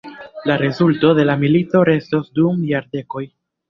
La rezulto de la milito restos dum jardekoj.